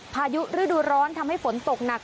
พายุฤดูร้อนทำให้ฝนตกหนัก